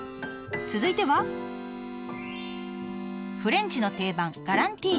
続いてはフレンチの定番ガランティーヌ。